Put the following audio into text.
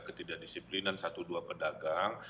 ketidakdisiplinan satu dua pedagang